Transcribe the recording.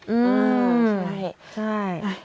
อืมใช่